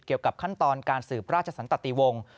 เกี่ยวกับขั้นตอนการสืบราชสันตติวงศ์